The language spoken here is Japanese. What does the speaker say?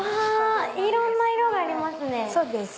いろんな色がありますね！